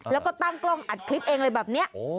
แล้วก็ตั้งกล้องอัดคลิปเองอะไรแบบนี้